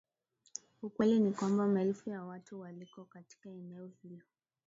ukweli ni kwamba maelfu ya watu waliko katika eneo hili